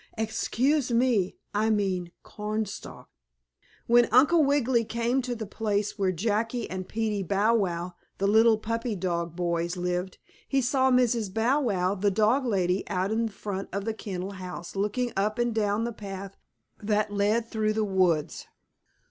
Excuse me, I mean corn stalk. When Uncle Wiggily came to the place where Jackie and Peetie Bow Wow, the little puppy dog boys lived, he saw Mrs. Bow Wow, the dog lady, out in front of the kennel house looking up and down the path that led through the woods.